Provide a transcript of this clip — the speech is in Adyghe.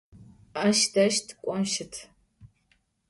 Aş dej tık'on şıt.